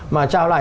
mà trao lại